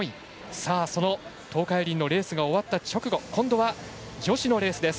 さあ、その東海林のレースが終わった直後今度は女子のレースです。